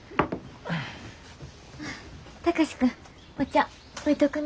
貴司君お茶置いとくな。